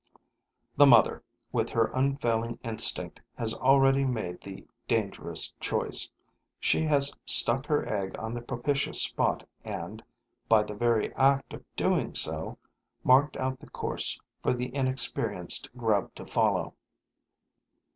The mother, with her unfailing instinct, has already made the dangerous choice; she has stuck her egg on the propitious spot and, by the very act of doing so, marked out the course for the inexperienced grub to follow.